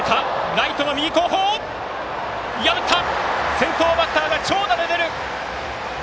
先頭バッターが長打で出る！